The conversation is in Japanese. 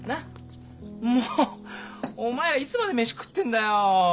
もうお前らいつまで飯食ってんだよ。